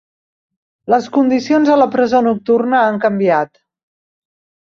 Les condicions de la presó nocturna han canviat.